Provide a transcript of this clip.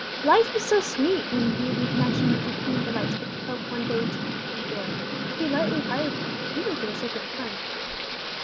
Life was so sweet, when viewed in connection with the home delights which he hoped one day to enjoy, to be lightly parted with, even for the sake of a friend.